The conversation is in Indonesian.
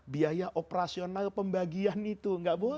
biaya operasional pembagian itu